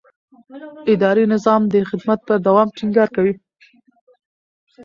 اداري نظام د خدمت پر دوام ټینګار کوي.